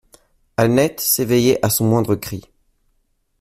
Annette s'éveillait à son moindre cri.